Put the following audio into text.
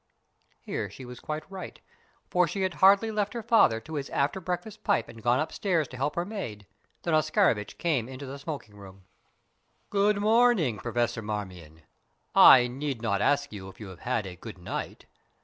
Here she was quite right, for she had hardly left her father to his after breakfast pipe and gone upstairs to help her maid, than Oscarovitch came into the smoking room. "Good morning, Professor Marmion! I need not ask you if you have had a good night.